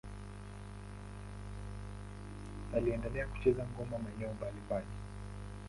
Aliendelea kucheza ngoma maeneo mbalimbali.